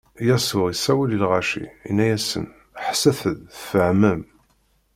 Yasuɛ isawel i lɣaci, inna-asen: Ḥesset-d tfehmem!